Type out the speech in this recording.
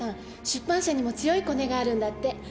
出版社にも強いコネがあるんだって。